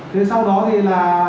thế sau đó thì là